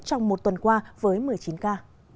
trong một tuần qua với một mươi chín ca